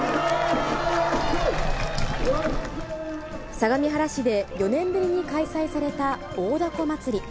相模原市で４年ぶりに開催された大凧まつり。